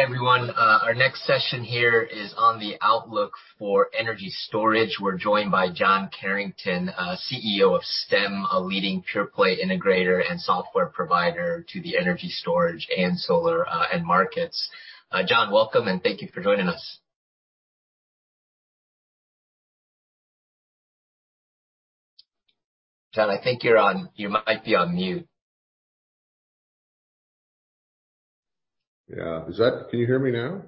Everyone, our next session here is on the outlook for energy storage. We're joined by John Carrington, CEO of Stem, a leading pure play integrator and software provider to the energy storage and solar end markets. John, welcome, and thank you for joining us. John, I think you might be on mute. Yeah. Is that? Can you hear me now?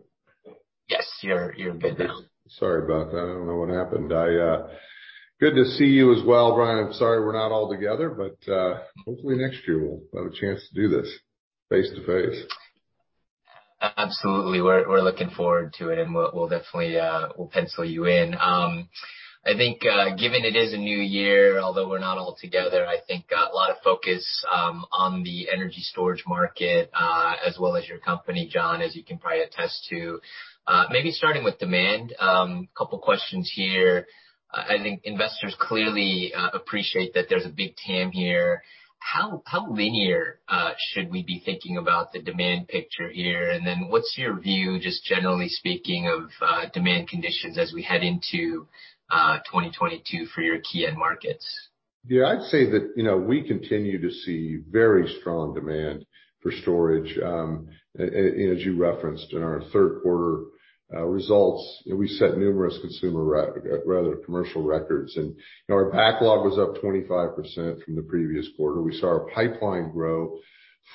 Yes. You're good now. Okay. Sorry about that. I don't know what happened. Good to see you as well, Brian. I'm sorry we're not all together, but hopefully next year we'll have a chance to do this face-to-face. Absolutely. We're looking forward to it, and we'll definitely pencil you in. I think, given it is a new year, although we're not all together, I think a lot of focus on the energy storage market as well as your company, John, as you can probably attest to. Maybe starting with demand, couple questions here. I think investors clearly appreciate that there's a big TAM here. How linear should we be thinking about the demand picture here? And then what's your view, just generally speaking, of demand conditions as we head into 2022 for your key end markets? Yeah. I'd say that we continue to see very strong demand for storage. and as you referenced in our Q3 results we set numerous consumer rather commercial records. You know, our backlog was up 25% from the previous quarter. We saw our pipeline grow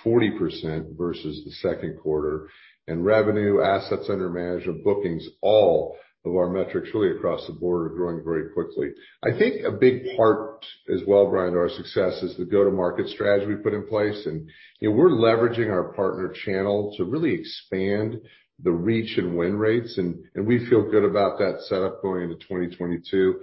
40% versus the Q2. Revenue, assets under management, bookings, all of our metrics really across the board are growing very quickly. I think a big part as well, Brian, to our success is the go-to-market strategy we put in place, and we're leveraging our partner channel to really expand the reach and win rates and we feel good about that setup going into 2022.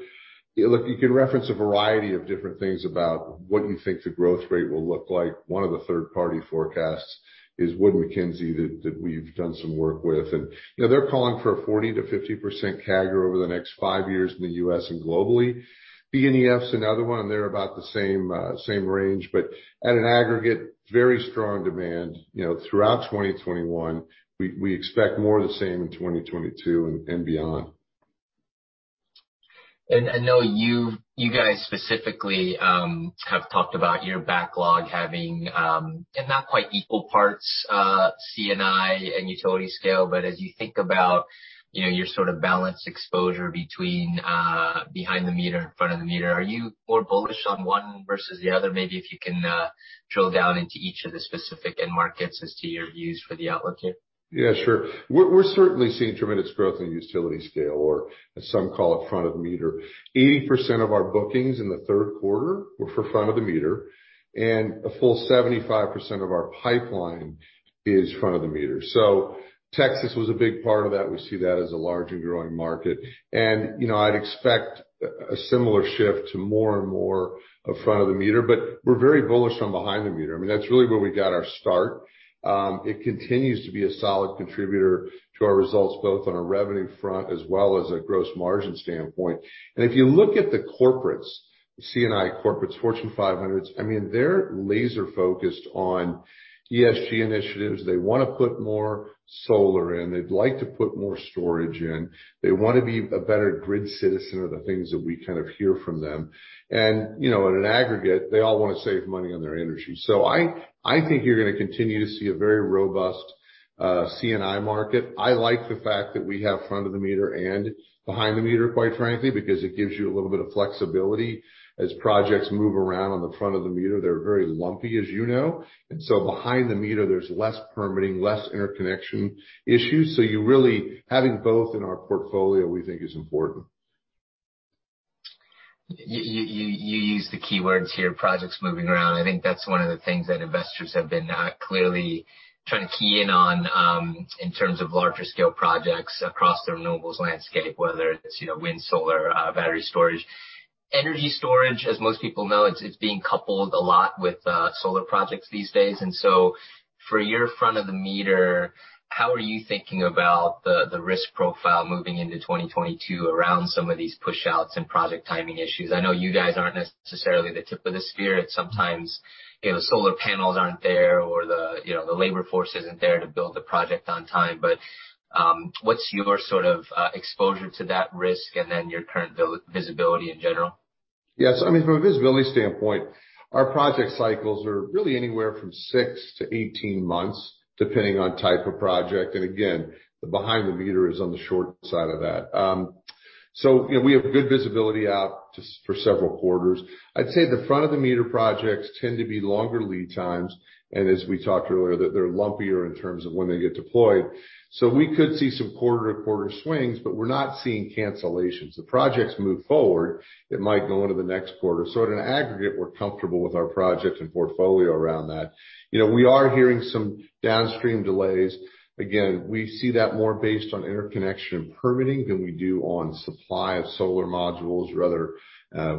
Look, you can reference a variety of different things about what you think the growth rate will look like. One of the third party forecasts is Wood Mackenzie that we've done some work with. You know, they're calling for a 40%-50% CAGR over the next five years in the U.S. and globally. BNEF's another one, and they're about the same range. At an aggregate, very strong demand throughout 2021. We expect more of the same in 2022 and beyond. I know you guys specifically have talked about your backlog having and not quite equal parts C&I and utility scale, but as you think about your sort of balanced exposure between behind the meter and front of the meter, are you more bullish on one versus the other? Maybe if you can drill down into each of the specific end markets as to your views for the outlook here. Yeah, sure. We're certainly seeing tremendous growth in utility scale or, as some call it, front of the meter. 80% of our bookings in the Q3 were for front of the meter, and a full 75% of our pipeline is front of the meter. Texas was a big part of that. We see that as a large and growing market. You know, I'd expect a similar shift to more and more of front of the meter, but we're very bullish on behind the meter. I mean, that's really where we got our start. It continues to be a solid contributor to our results, both on a revenue front as well as a gross margin standpoint. If you look at the corporates, C&I corporates, Fortune 500s, I mean, they're laser focused on ESG initiatives. They wanna put more solar in. They'd like to put more storage in. They wanna be a better grid citizen, are the things that we kind of hear from them. You know, in an aggregate, they all wanna save money on their energy. I think you're gonna continue to see a very robust C&I market. I like the fact that we have front of the meter and behind the meter, quite frankly, because it gives you a little bit of flexibility as projects move around on the front of the meter. They're very lumpy, as you know. Behind the meter there's less permitting, less interconnection issues. Having both in our portfolio, we think is important. You used the keywords here, projects moving around. I think that's one of the things that investors have been clearly trying to key in on in terms of larger scale projects across the renewables landscape, whether it's you know wind, solar, battery storage. Energy storage, as most people know, it's being coupled a lot with solar projects these days. For your front of the meter, how are you thinking about the risk profile moving into 2022 around some of these push-outs and project timing issues? I know you guys aren't necessarily the tip of the spear. Sometimes you know solar panels aren't there or the you know the labor force isn't there to build the project on time. But what's your sort of exposure to that risk and then your current build visibility in general? Yes. I mean, from a visibility standpoint, our project cycles are really anywhere from 6-18 months, depending on type of project. Again, the Behind the Meter is on the short side of that. You know, we have good visibility out just for several quarters. I'd say the Front of the Meter projects tend to be longer lead times, and as we talked earlier, that they're lumpier in terms of when they get deployed. We could see some quarter to quarter swings, but we're not seeing cancellations. The projects move forward. It might go into the next quarter. At an aggregate, we're comfortable with our projects and portfolio around that. You know, we are hearing some downstream delays. Again, we see that more based on interconnection and permitting than we do on supply of solar modules or other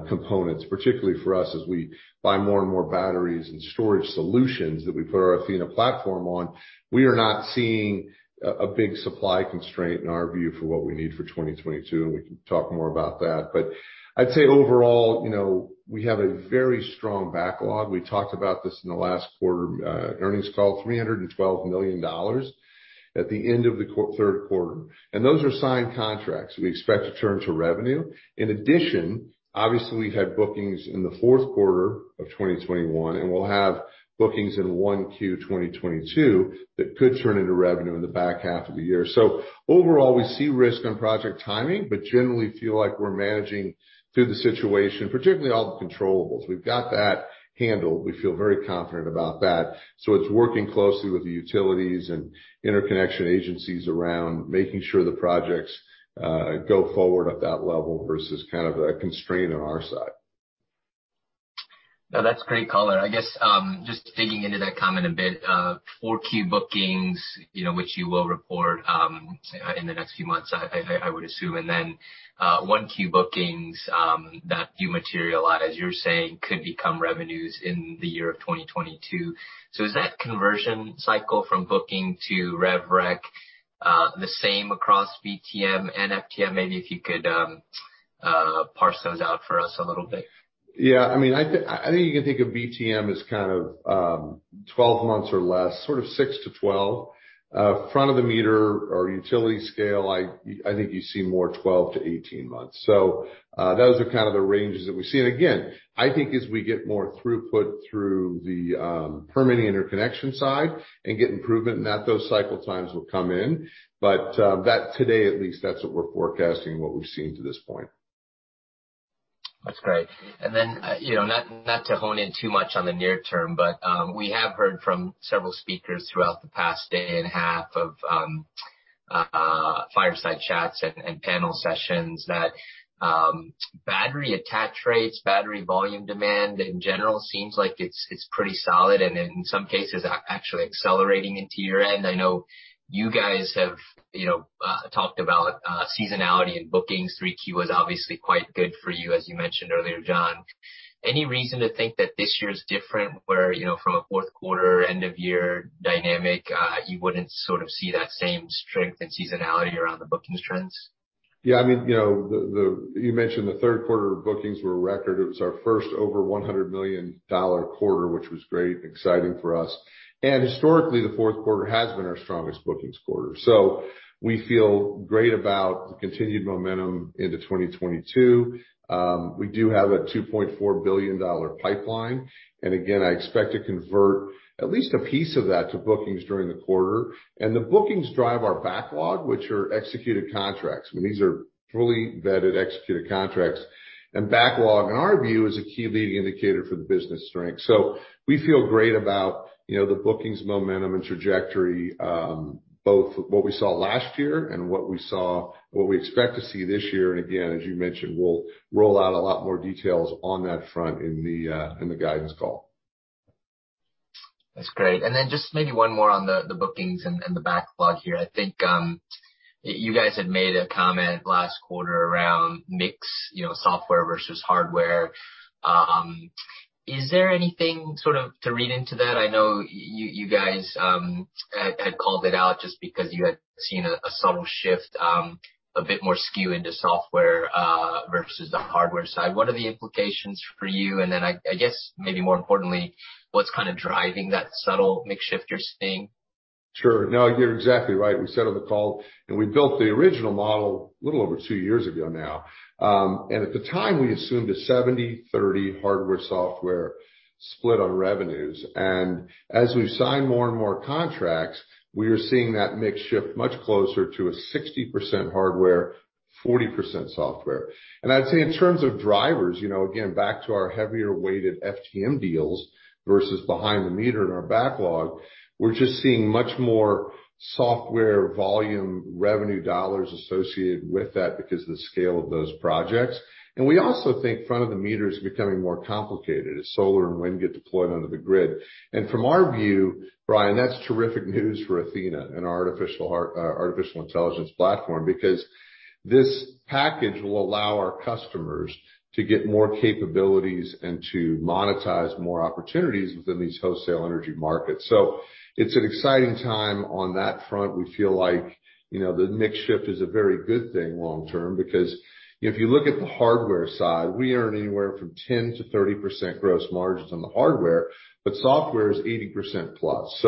components. Particularly for us as we buy more and more batteries and storage solutions that we put our Athena platform on, we are not seeing a big supply constraint in our view for what we need for 2022, and we can talk more about that. I'd say overall we have a very strong backlog. We talked about this in the last quarter, earnings call, $312 million at the end of the Q3. Those are signed contracts we expect to turn to revenue. In addition, obviously, we've had bookings in the Q4 of 2021, and we'll have bookings in 1Q 2022 that could turn into revenue in the back half of the year. Overall, we see risk on project timing, but generally feel like we're managing through the situation, particularly all the controllables. We've got that handled. We feel very confident about that. It's working closely with the utilities and interconnection agencies around making sure the projects go forward at that level versus kind of a constraint on our side. No, that's great color. I guess, just digging into that comment a bit, 4Q bookings which you will report in the next few months, I would assume, and then, 1Q bookings that you materialize, you're saying could become revenues in the year of 2022. Is that conversion cycle from booking to rev rec the same across BTM and FTM? Maybe if you could parse those out for us a little bit. Yeah. I mean, I think you can think of BTM as kind of 12 months or less, sort of 6-12. Front of the meter or utility scale, I think you see more 12-18 months. Those are kind of the ranges that we see. Again, I think as we get more throughput through the permitting interconnection side and get improvement in that, those cycle times will come in. That today at least, that's what we're forecasting and what we've seen to this point. That's great. You know, not to hone in too much on the near term, but we have heard from several speakers throughout the past day and a half of fireside chats and panel sessions that battery attach rates, battery volume demand in general seems like it's pretty solid and in some cases actually accelerating into year-end. I know you guys have you know talked about seasonality in bookings. 3Q was obviously quite good for you, as you mentioned earlier, John. Any reason to think that this year is different where from a Q4 end-of-year dynamic, you wouldn't sort of see that same strength and seasonality around the bookings trends? Yeah, I mean you mentioned the Q3 bookings were a record. It was our first over $100 million quarter, which was great, exciting for us. Historically, the Q4 has been our strongest bookings quarter. We feel great about the continued momentum into 2022. We do have a $2.4 billion pipeline. Again, I expect to convert at least a piece of that to bookings during the quarter. The bookings drive our backlog, which are executed contracts. I mean, these are fully vetted, executed contracts. Backlog, in our view, is a key leading indicator for the business strength. We feel great about the bookings momentum and trajectory, both what we saw last year and what we expect to see this year. Again, as you mentioned, we'll roll out a lot more details on that front in the guidance call. That's great. Just maybe one more on the bookings and the backlog here. I think you guys had made a comment last quarter around mix software versus hardware. Is there anything sort of to read into that? I know you guys had called it out just because you had seen a subtle shift, a bit more skew into software versus the hardware side. What are the implications for you? I guess maybe more importantly, what's kind of driving that subtle mix shift you're seeing? Sure. No, you're exactly right. We said on the call, and we built the original model a little over two years ago now. At the time, we assumed a 70/30 hardware/software split on revenues. As we've signed more and more contracts, we are seeing that mix shift much closer to a 60% hardware, 40% software. I'd say in terms of drivers again, back to our heavier weighted FTM deals versus behind the meter in our backlog, we're just seeing much more software volume revenue dollars associated with that because of the scale of those projects. We also think front of the meter is becoming more complicated as solar and wind get deployed onto the grid. From our view, Brian, that's terrific news for Athena and our artificial intelligence platform, because this package will allow our customers to get more capabilities and to monetize more opportunities within these wholesale energy markets. It's an exciting time on that front. We feel like the mix shift is a very good thing long term, because if you look at the hardware side, we earn anywhere from 10%-30% gross margins on the hardware, but software is 80% plus.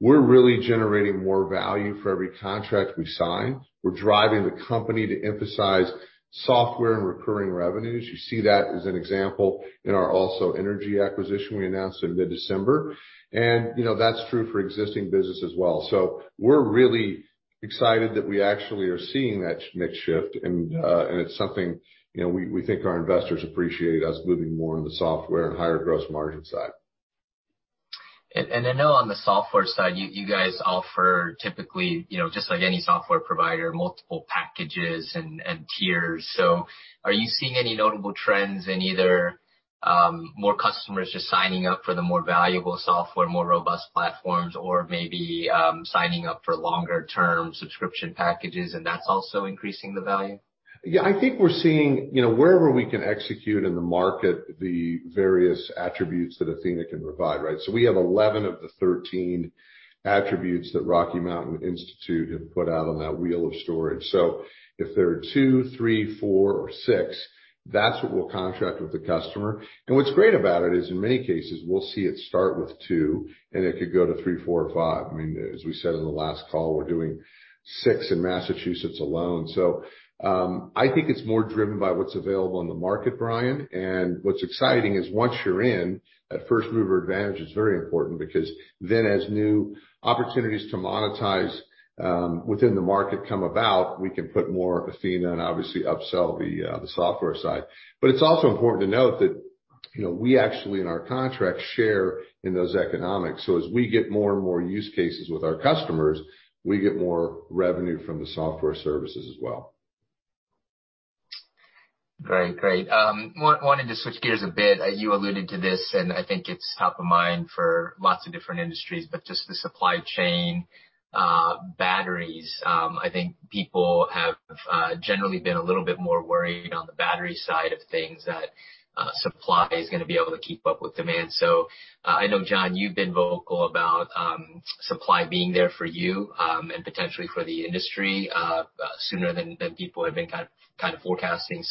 We're really generating more value for every contract we sign. We're driving the company to emphasize software and recurring revenues. You see that as an example in our Also Energy acquisition we announced in mid-December. You know, that's true for existing business as well. We're really excited that we actually are seeing that mix shift. It's something we think our investors appreciate us moving more in the software and higher gross margin side. I know on the software side, you guys offer typically just like any software provider, multiple packages and tiers. Are you seeing any notable trends in either, more customers just signing up for the more valuable software, more robust platforms, or maybe, signing up for longer-term subscription packages, and that's also increasing the value? Yeah. I think we're seeing wherever we can execute in the market, the various attributes that Athena can provide, right? We have 11 of the 13 attributes that Rocky Mountain Institute have put out on that wheel of storage. If there are 2, 3, 4 or 6, that's what we'll contract with the customer. What's great about it is in many cases, we'll see it start with 2, and it could go to 3, 4 or 5. I mean, as we said in the last call, we're doing 6 in Massachusetts alone. I think it's more driven by what's available in the market, Brian. What's exciting is once you're in, that first mover advantage is very important because then as new opportunities to monetize within the market come about, we can put more Athena and obviously upsell the software side. It's also important to note that we actually in our contracts share in those economics. As we get more and more use cases with our customers, we get more revenue from the software services as well. Great, great. Wanted to switch gears a bit. You alluded to this, and I think it's top of mind for lots of different industries, but just the supply chain, batteries. I think people have generally been a little bit more worried on the battery side of things that supply is gonna be able to keep up with demand. I know, John, you've been vocal about supply being there for you and potentially for the industry sooner than people have been kind of forecasting.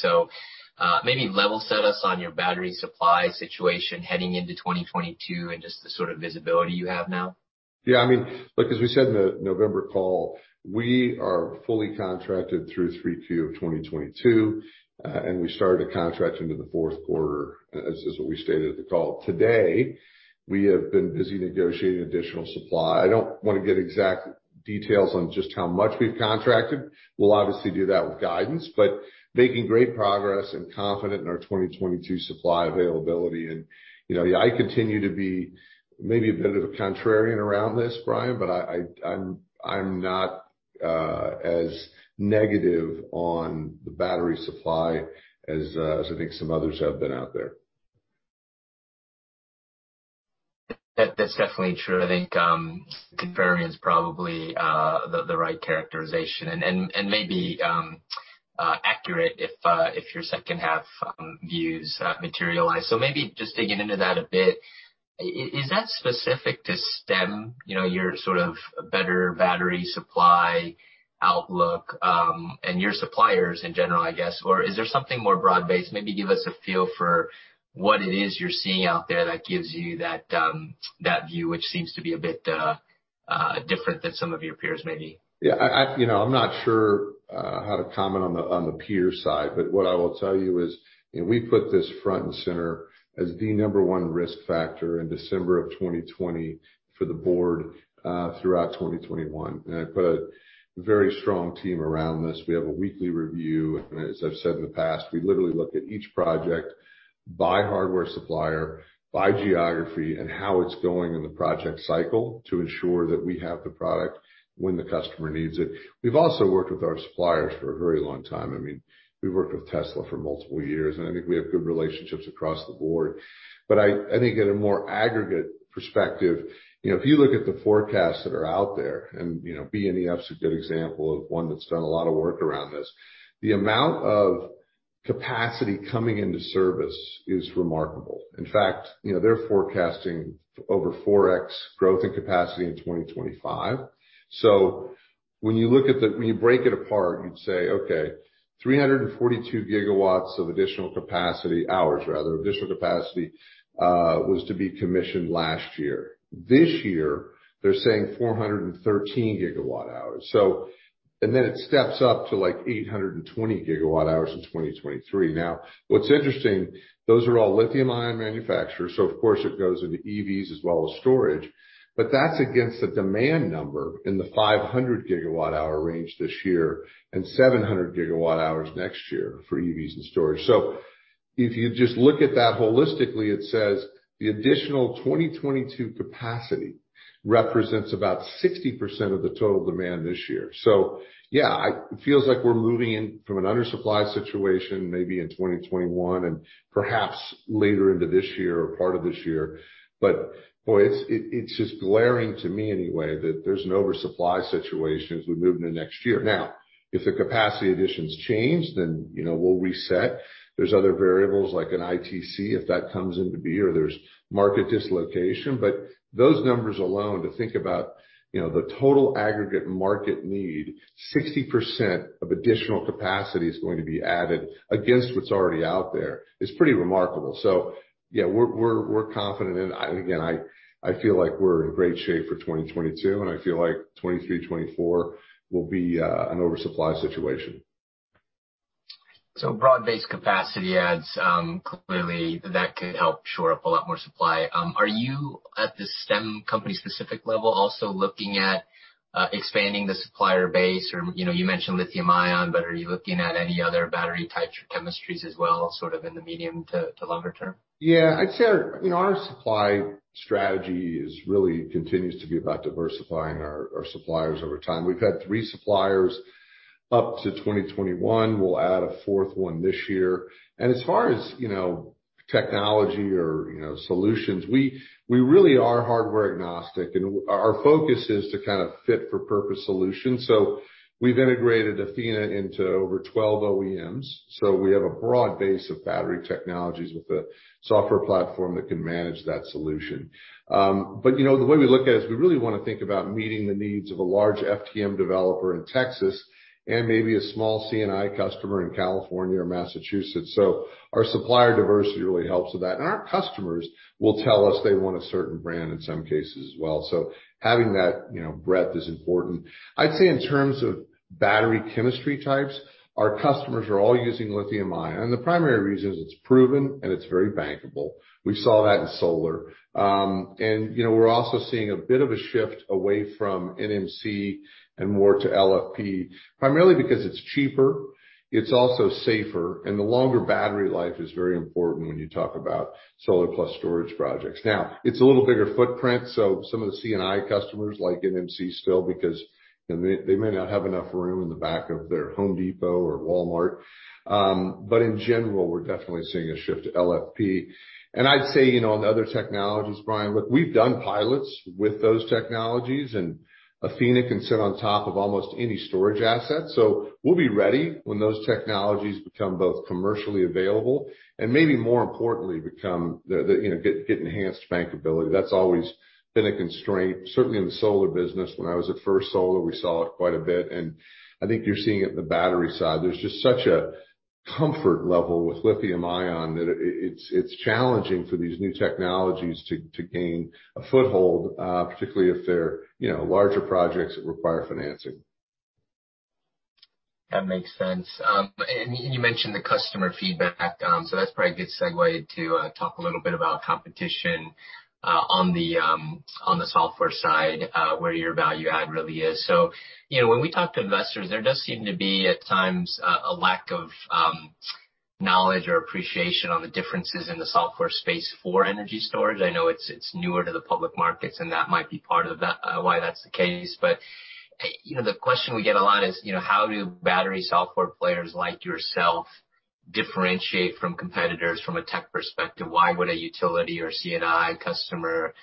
Maybe level set us on your battery supply situation heading into 2022 and just the sort of visibility you have now. Yeah, I mean, look, as we said in the November call, we are fully contracted through 3Q of 2022. We started to contract into the Q4, as what we stated at the call. Today, we have been busy negotiating additional supply. I don't wanna get exact details on just how much we've contracted. We'll obviously do that with guidance, but making great progress and confident in our 2022 supply availability. You know, I continue to be maybe a bit of a contrarian around this, Brian, but I'm not as negative on the battery supply as I think some others have been out there. That's definitely true. I think contrarian is probably the right characterization and maybe accurate if your H2 views materialize. Maybe just digging into that a bit, is that specific to stem your sort of better battery supply outlook and your suppliers in general, I guess? Or is there something more broad-based? Maybe give us a feel for what it is you're seeing out there that gives you that view, which seems to be a bit different than some of your peers maybe. yeah I'm not sure how to comment on the peer side, but what I will tell you is we put this front and center as the number one risk factor in December of 2020 for the board throughout 2021. I put a very strong team around this. We have a weekly review, and as I've said in the past, we literally look at each project by hardware supplier, by geography, and how it's going in the project cycle to ensure that we have the product when the customer needs it. We've also worked with our suppliers for a very long time. I mean, we've worked with Tesla for multiple years, and I think we have good relationships across the board. I think at a more aggregate perspective if you look at the forecasts that are out there, and BNEF is a good example of one that's done a lot of work around this. The amount of capacity coming into service is remarkable. In fact they're forecasting over 4x growth in capacity in 2025. When you break it apart, you'd say, okay, 342 gigawatt-hours of additional capacity was to be commissioned last year. This year they're saying 413 gigawatt-hours. It steps up to like 820 gigawatt-hours in 2023. Now, what's interesting, those are all lithium-ion manufacturers, so of course it goes into EVs as well as storage, but that's against the demand number in the 500 gigawatt hour range this year and 700 gigawatt hours next year for EVs and storage. If you just look at that holistically, it says the additional 2022 capacity represents about 60% of the total demand this year. Yeah, it feels like we're moving in from an undersupply situation maybe in 2021 and perhaps later into this year or part of this year. Boy, it's just glaring to me anyway, that there's an oversupply situation as we move into next year. Now, if the capacity additions change, then we'll reset. There's other variables like an ITC, if that comes into being, or there's market dislocation. Those numbers alone to think about the total aggregate market need, 60% of additional capacity is going to be added against what's already out there is pretty remarkable. Yeah, we're confident. Again, I feel like we're in great shape for 2022, and I feel like 2023-2024 will be an oversupply situation. Broad-based capacity adds, clearly that could help shore up a lot more supply. Are you at the Stem company specific level also looking at expanding the supplier base or you mentioned lithium-ion, but are you looking at any other battery types or chemistries as well, sort of in the medium to longer term? Yeah. I'd say our you know our supply strategy is really continues to be about diversifying our suppliers over time. We've had 3 suppliers up to 2021. We'll add a fourth one this year. As far as you know technology or you know solutions we really are hardware agnostic and our focus is to kind of fit for purpose solution. We've integrated Athena into over 12 OEMs. We have a broad base of battery technologies with a software platform that can manage that solution. But you know the way we look at it is we really wanna think about meeting the needs of a large FTM developer in Texas and maybe a small C&I customer in California or Massachusetts. Our supplier diversity really helps with that. Our customers will tell us they want a certain brand in some cases as well. Having that breadth is important. I'd say in terms of battery chemistry types, our customers are all using lithium-ion, and the primary reason is it's proven and it's very bankable. We saw that in solar. You know, we're also seeing a bit of a shift away from NMC and more to LFP, primarily because it's cheaper, it's also safer, and the longer battery life is very important when you talk about solar-plus-storage projects. Now, it's a little bigger footprint, so some of the C&I customers like NMC still because, and they may not have enough room in the back of their Home Depot or Walmart. But in general, we're definitely seeing a shift to LFP. I'd say on the other technologies, Brian, look, we've done pilots with those technologies, and Athena can sit on top of almost any storage asset. We'll be ready when those technologies become both commercially available and, maybe more importantly, get enhanced bankability. That's always been a constraint, certainly in the solar business. When I was at First Solar, we saw it quite a bit, and I think you're seeing it in the battery side. There's just such a comfort level with lithium-ion that it's challenging for these new technologies to gain a foothold, particularly if they're larger projects that require financing. That makes sense. You mentioned the customer feedback. That's probably a good segue to talk a little bit about competition on the software side, where your value add really is. You know, when we talk to investors, there does seem to be, at times, a lack of knowledge or appreciation on the differences in the software space for energy storage. I know it's newer to the public markets, and that might be part of the why that's the case. You know, the question we get a lot is how do battery software players like yourself differentiate from competitors from a tech perspective? Why would a utility or C&I customer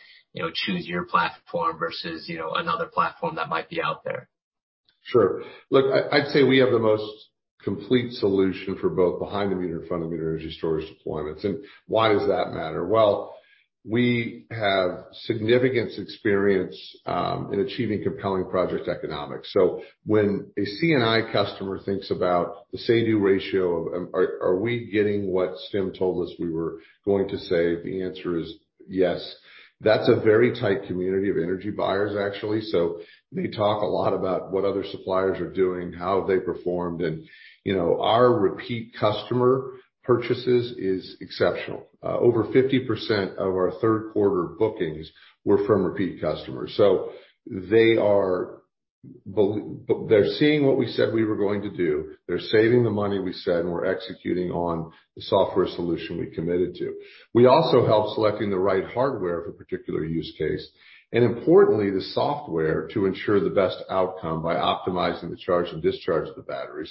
choose your platform versus another platform that might be out there? Sure. Look, I'd say we have the most complete solution for both behind the meter, in front of the meter energy storage deployments. Why does that matter? Well, we have significant experience in achieving compelling project economics. When a C&I customer thinks about the say/do ratio of, are we getting what Stem told us we were going to save? The answer is yes. That's a very tight community of energy buyers, actually. They talk a lot about what other suppliers are doing, how they performed, and our repeat customer purchases is exceptional. Over 50% of our Q3 bookings were from repeat customers. They are seeing what we said we were going to do. They're saving the money we said, and we're executing on the software solution we committed to. We also help selecting the right hardware for particular use case, and importantly, the software to ensure the best outcome by optimizing the charge and discharge of the battery.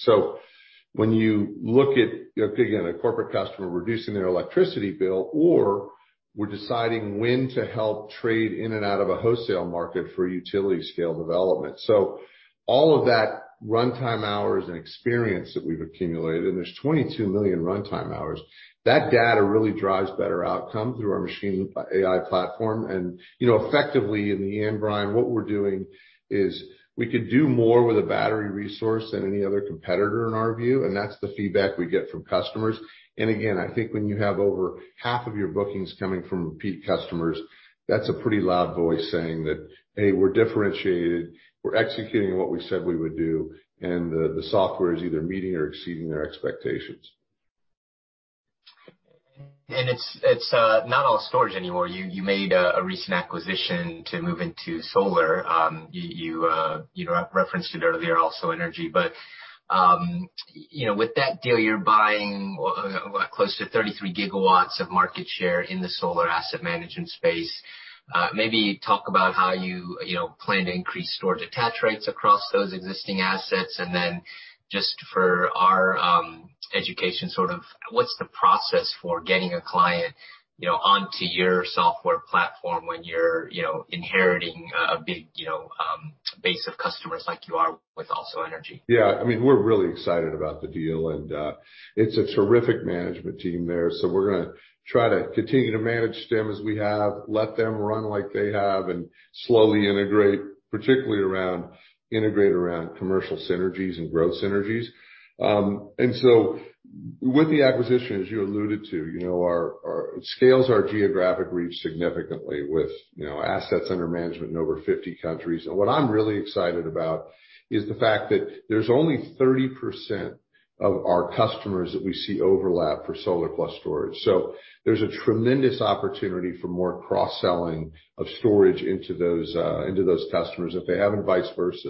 When you look at again, a corporate customer reducing their electricity bill, or we're deciding when to help trade in and out of a wholesale market for utility scale development. All of that runtime hours and experience that we've accumulated, and there's 22 million runtime hours, that data really drives better outcome through our machine AI platform. You know, effectively in the end, Brian, what we're doing is we could do more with a battery resource than any other competitor in our view, and that's the feedback we get from customers. Again, I think when you have over half of your bookings coming from repeat customers, that's a pretty loud voice saying that, "Hey, we're differentiated. We're executing what we said we would do, and the software is either meeting or exceeding their expectations. It's not all storage anymore. You made a recent acquisition to move into solar. You referenced it earlier, AlsoEnergy. You know, with that deal, you're buying what, close to 33 gigawatts of market share in the solar asset management space. Maybe talk about how you know plan to increase storage attach rates across those existing assets. Just for our education, sort of what's the process for getting a client you know onto your software platform when you're inheriting a big base of customers like you are with AlsoEnergy? Yeah. I mean, we're really excited about the deal and it's a terrific management team there. We're gonna try to continue to manage them as we have, let them run like they have, and slowly integrate, particularly around commercial synergies and growth synergies. With the acquisition, as you alluded to it scales our geographic reach significantly with assets under management in over 50 countries. What I'm really excited about is the fact that there's only 30% of our customers that we see overlap for solar-plus-storage. There's a tremendous opportunity for more cross-selling of storage into those customers if they haven't, and vice versa.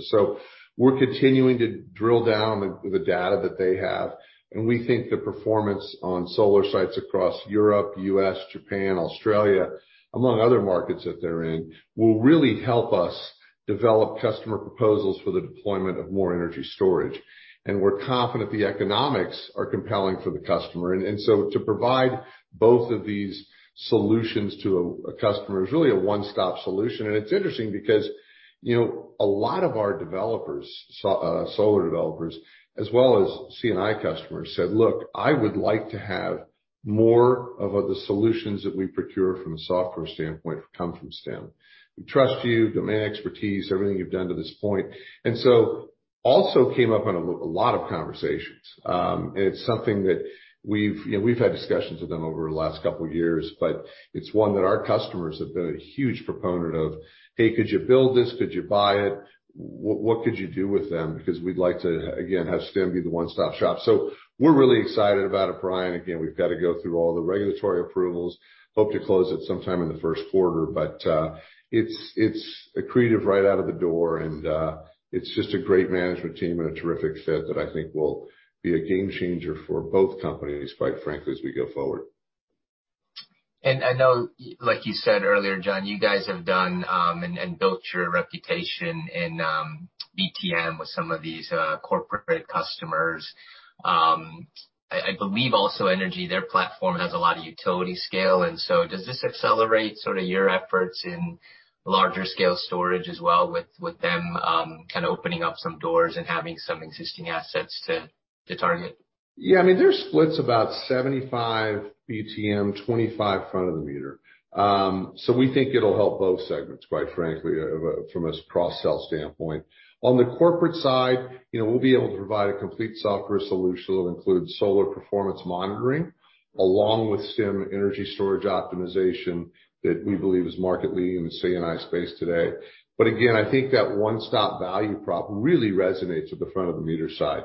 We're continuing to drill down the data that they have, and we think the performance on solar sites across Europe, U.S., Japan, Australia, among other markets that they're in, will really help us develop customer proposals for the deployment of more energy storage. We're confident the economics are compelling for the customer. To provide both of these solutions to a customer is really a one-stop solution. It's interesting because a lot of our developers, solar developers as well as C&I customers said, "Look, I would like to have more of the solutions that we procure from a software standpoint come from Stem. We trust you, domain expertise, everything you've done to this point." AlsoEnergy came up in a lot of conversations. It's something that we've had discussions with them over the last couple years, but it's one that our customers have been a huge proponent of, "Hey, could you build this? Could you buy it? What could you do with them? Because we'd like to, again, have Stem be the one-stop shop." We're really excited about it, Brian. Again, we've got to go through all the regulatory approvals. Hope to close it sometime in the Q1. It's accretive right out of the door and it's just a great management team and a terrific fit that I think will be a game changer for both companies, quite frankly, as we go forward. I know, like you said earlier, John, you guys have done and built your reputation in BTM with some of these corporate customers. I believe AlsoEnergy, their platform has a lot of utility scale, and so does this accelerate sort of your efforts in larger scale storage as well with them kind of opening up some doors and having some existing assets to target? Yeah. I mean, their split's about 75 BTM, 25 front of the meter. So we think it'll help both segments, quite frankly, from a cross-sell standpoint. On the corporate side we'll be able to provide a complete software solution that includes solar performance monitoring, along with Stem energy storage optimization that we believe is market leading in the C&I space today. Again, I think that one-stop value prop really resonates with the front of the meter side,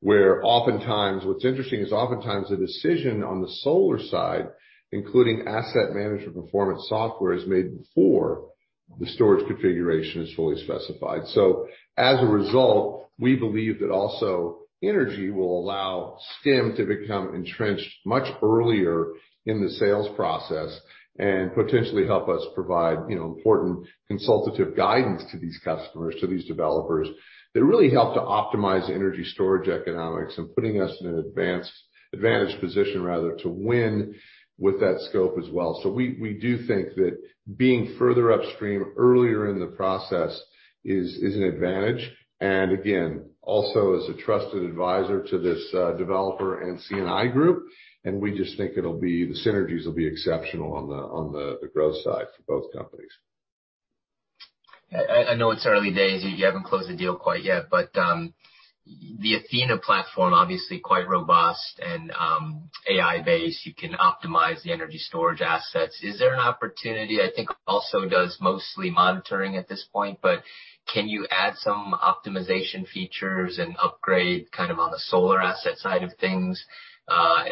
where oftentimes, what's interesting is oftentimes the decision on the solar side, including asset management performance software, is made before the storage configuration is fully specified. As a result, we believe that AlsoEnergy will allow Stem to become entrenched much earlier in the sales process and potentially help us provide important consultative guidance to these customers, to these developers, that really help to optimize energy storage economics and putting us in an advantaged position, rather, to win with that scope as well. We do think that being further upstream earlier in the process is an advantage, and again, also as a trusted advisor to this developer and C&I group, and we just think it'll be the synergies will be exceptional on the growth side for both companies. I know it's early days. You haven't closed the deal quite yet, but the Athena platform, obviously quite robust and AI based, you can optimize the energy storage assets. Is there an opportunity? I think AlsoEnergy does mostly monitoring at this point, but can you add some optimization features and upgrade kind of on the solar asset side of things?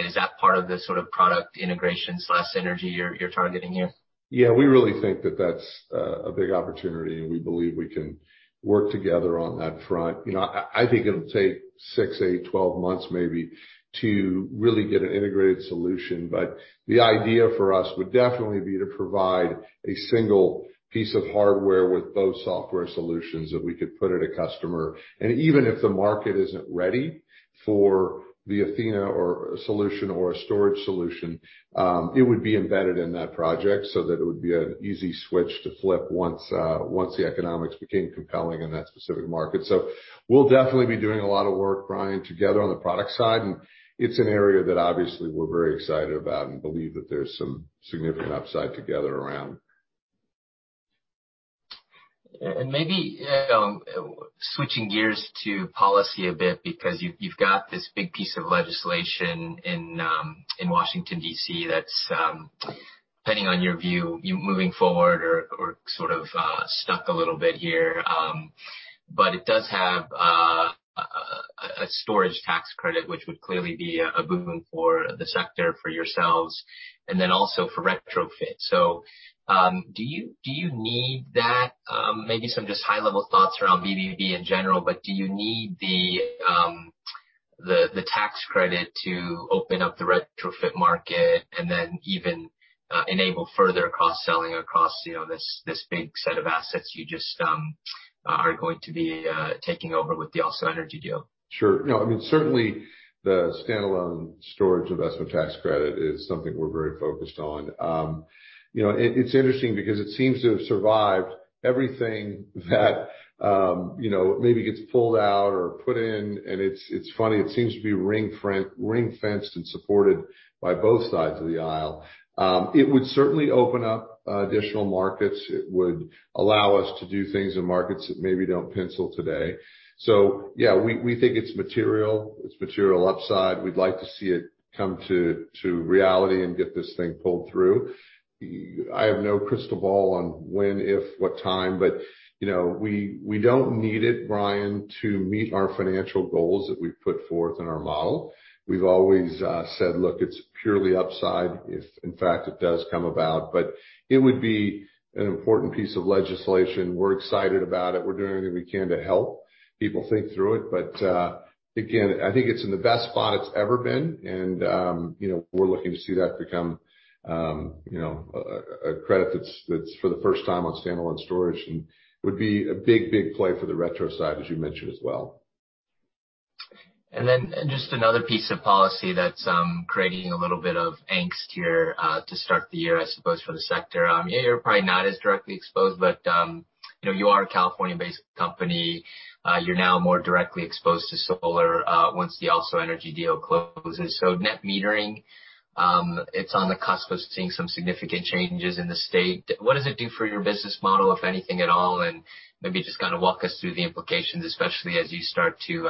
Is that part of the sort of product integration/synergy you're targeting here? Yeah. We really think that that's a big opportunity, and we believe we can work together on that front. You know, I think it'll take 6, 8, 12 months maybe to really get an integrated solution. The idea for us would definitely be to provide a single piece of hardware with both software solutions that we could put at a customer. Even if the market isn't ready for the Athena or solution or a storage solution, it would be embedded in that project so that it would be an easy switch to flip once the economics became compelling in that specific market. We'll definitely be doing a lot of work, Brian, together on the product side, and it's an area that obviously we're very excited about and believe that there's some significant upside together around. Maybe switching gears to policy a bit because you've got this big piece of legislation in Washington, D.C., that's depending on your view, moving forward or sort of stuck a little bit here. It does have a storage tax credit, which would clearly be a boom for the sector, for yourselves, and then also for retrofit. Do you need that? Maybe some just high-level thoughts around BBB in general, but do you need the tax credit to open up the retrofit market and then even enable further cross-selling across this big set of assets you just are going to be taking over with the AlsoEnergy deal? Sure. No, I mean, certainly the standalone storage investment tax credit is something we're very focused on. You know, it's interesting because it seems to have survived everything that maybe gets pulled out or put in, and it's funny, it seems to be ring-fenced and supported by both sides of the aisle. It would certainly open up additional markets. It would allow us to do things in markets that maybe don't pencil today. Yeah, we think it's material, it's material upside. We'd like to see it come to reality and get this thing pulled through. I have no crystal ball on when, if, what time, but you know, we don't need it, Brian, to meet our financial goals that we've put forth in our model. We've always said, "Look, it's purely upside if in fact it does come about." It would be an important piece of legislation. We're excited about it. We're doing everything we can to help people think through it. Again, I think it's in the best spot it's ever been and we're looking to see that become a credit that's for the first time on standalone storage, and it would be a big, big play for the retrofit side, as you mentioned as well. Just another piece of policy that's creating a little bit of angst here to start the year, I suppose, for the sector. You're probably not as directly exposed, but you know, you are a California-based company. You're now more directly exposed to solar once the AlsoEnergy deal closes. Net metering, it's on the cusp of seeing some significant changes in the state. What does it do for your business model, if anything at all? Maybe just kind of walk us through the implications, especially as you start to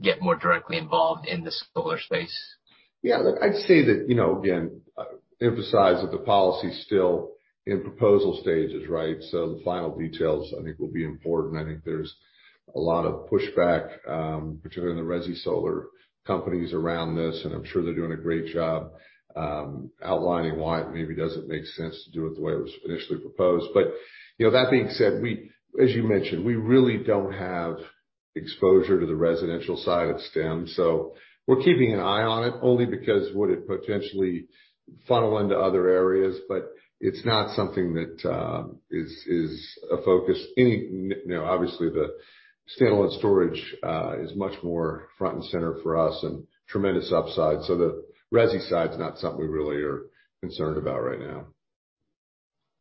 get more directly involved in the solar space. Yeah. Look, I'd say that again, emphasize that the policy's still in proposal stages, right? The final details I think will be important. I think there's a lot of pushback, particularly in the resi solar companies around this, and I'm sure they're doing a great job, outlining why it maybe doesn't make sense to do it the way it was initially proposed. You know, that being said, we, as you mentioned, we really don't have exposure to the residential side of Stem. We're keeping an eye on it, only because would it potentially funnel into other areas, but it's not something that is a focus any. You know, obviously the standalone storage is much more front and center for us and tremendous upside. The resi side is not something we really are concerned about right now.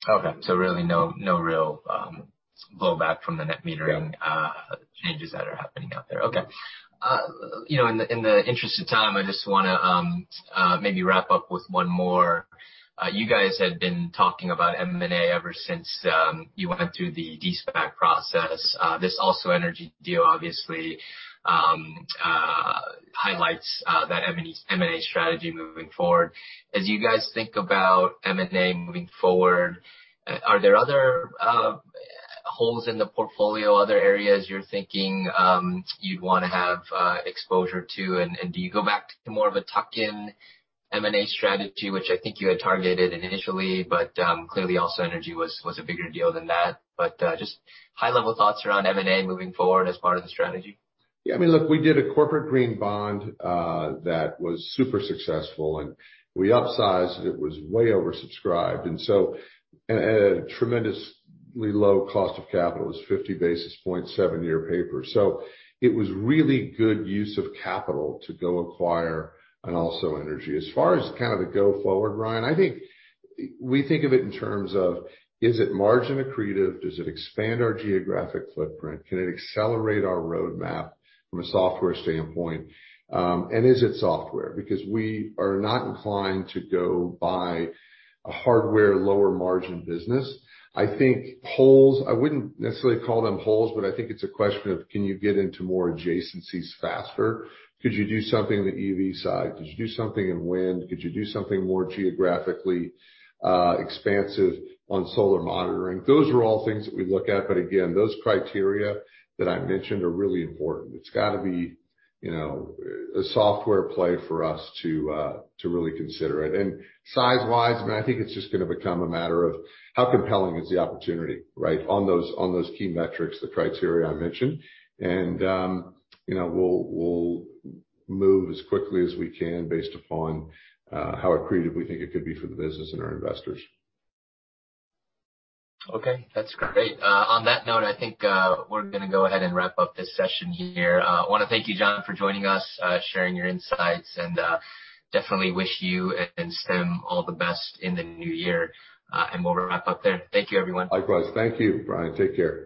Okay. Really no real pullback from the net metering- Yeah. Changes that are happening out there. Okay. You know, in the interest of time, I just wanna maybe wrap up with one more. You guys had been talking about M&A ever since you went through the de-SPAC process. This AlsoEnergy deal obviously highlights that M&A strategy moving forward. As you guys think about M&A moving forward, are there other holes in the portfolio, other areas you're thinking you'd wanna have exposure to, and do you go back to more of a tuck-in M&A strategy, which I think you had targeted initially, but clearly AlsoEnergy was a bigger deal than that. Just high-level thoughts around M&A moving forward as part of the strategy. Yeah. I mean, look, we did a corporate green bond that was super successful, and we upsized it. It was way oversubscribed. At a tremendously low cost of capital. It was 50 basis points, seven-year paper. It was really good use of capital to go acquire AlsoEnergy. As far as kind of a go-forward, Brian, I think we think of it in terms of, is it margin accretive? Does it expand our geographic footprint? Can it accelerate our roadmap from a software standpoint? And is it software? Because we are not inclined to go buy a hardware lower margin business. I think holes, I wouldn't necessarily call them holes, but I think it's a question of can you get into more adjacencies faster? Could you do something on the EV side? Could you do something in wind? Could you do something more geographically expansive on solar monitoring? Those are all things that we look at, but again, those criteria that I mentioned are really important. It's gotta be a software play for us to really consider it. Size-wise, I mean, I think it's just gonna become a matter of how compelling is the opportunity, right? On those key metrics, the criteria I mentioned. You know, we'll move as quickly as we can based upon how accretive we think it could be for the business and our investors. Okay, that's great. On that note, I think we're gonna go ahead and wrap up this session here. I wanna thank you, John, for joining us, sharing your insights, and definitely wish you and Stem all the best in the new year. We'll wrap up there. Thank you, everyone. Likewise. Thank you, Ryan. Take care.